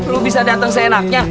lu bisa datang seenaknya